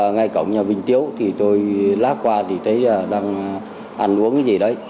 ngay cổng nhà vinh tiếu tôi lát qua thấy đang ăn uống gì đấy